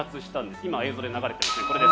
今、映像で流れているこれです。